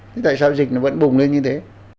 thế tại sao dịch nó vẫn bùng lên như thế